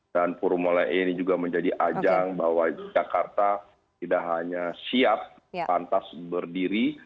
dan formula e ini juga menjadi ajang bahwa jakarta tidak hanya siap pantas berdiri